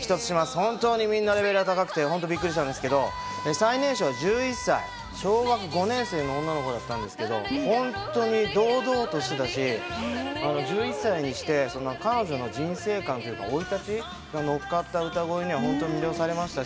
本当にみんな、レベルが高くてびっくりしたんですけど、最年少１１歳、小学５年生の女の子だったんですけど、本当に堂々としていて、１１歳にして彼女の人生感というか、生い立ちが乗っかった歌声には本当に魅了されました。